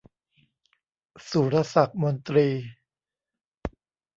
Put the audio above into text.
สุรศักดิ์มนตรี